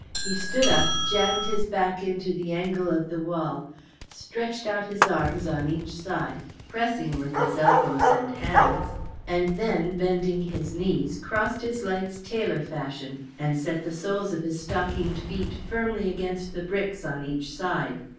He stood up, jammed his back into the angle of the wall, stretched out his arms on each side, pressing with his elbows and hands, and then bending his knees crossed his legs tailor fashion, and set the soles of his stockinged feet firmly against the bricks on each side.